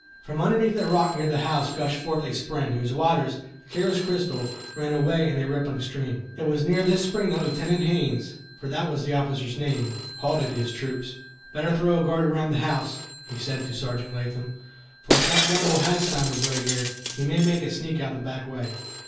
From underneath a rock near the house gushed forth a spring, whose waters, clear as crystal, ran away in a rippling stream. It was near this spring that Lieutenant Haines, for that was the officer's name, halted his troops. "Better throw a guard around the house," he said to Sergeant Latham, "for if that Rebel has found his way here, he may make a sneak out the back way.